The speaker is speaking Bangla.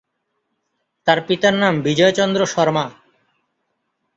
তার পিতার নাম বিজয় চন্দ্র শর্মা।